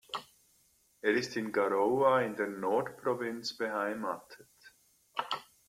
Er ist in Garoua in der Nord-Provinz beheimatet.